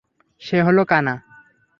সে হলো কানা।